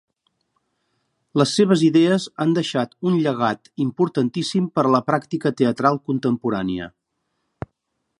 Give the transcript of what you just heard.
Les seves idees han deixat un llegat importantíssim per a la pràctica teatral contemporània.